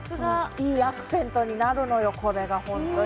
いいアクセントになるのよ、これがホントに。